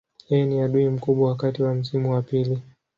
Yeye ni adui mkubwa wakati wa msimu wa pili.